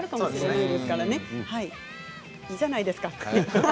いいじゃないですか。